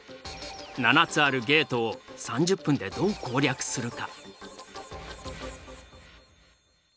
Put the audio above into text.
７つあるゲートを３０分でどう攻略するか？